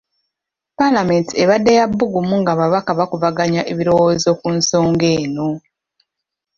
Paalamenti ebadde ya bbugumu ng’ababaka bakubaganya ebirowoozo ku nsonga eno.